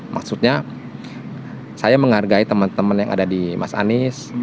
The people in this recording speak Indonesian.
maksudnya saya menghargai teman teman yang ada di mas anies